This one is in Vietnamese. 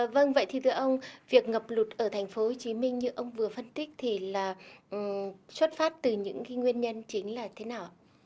vâng vậy thì thưa ông việc ngập lụt ở thành phố hồ chí minh như ông vừa phân tích thì xuất phát từ những nguyên nhân chính là thế nào